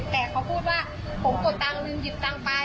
แต่เขาพูดว่าผมกดตังค์นึงหยิบตังค์ไป